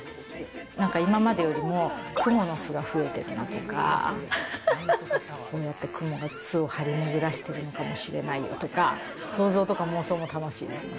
なんか今までよりもクモの巣が増えてるなとか、こうやってクモが巣を張り巡らせているかもしれないよとか、想像とか妄想も楽しいですね。